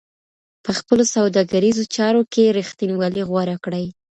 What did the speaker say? په خپلو سوداګريزو چارو کي رښتينولي غوره کړئ.